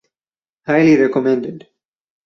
Highly recommended.